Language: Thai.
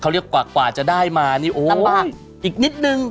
เขาเรียกว่ากว่าจะได้มานี่อีกนิดนึง